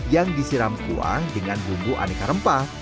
yang disiram kuah dengan bumbu aneka rempah